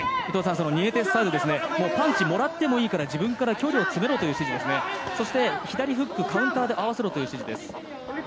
ニエテスサイドパンチもらってもいいから自分から距離を詰めろという指示ですね、左フック、カウンターで合わせろという指示です。